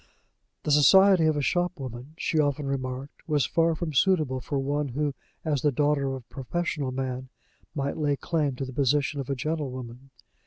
The society of a shopwoman, she often remarked, was far from suitable for one who, as the daughter of a professional man, might lay claim to the position of a gentlewoman.